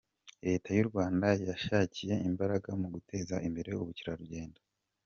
Leta y’u Rwanda yashyize imbaraga mu guteza imbere ubukerarugendo.